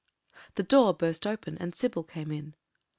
The door burst open, and Sybil came in.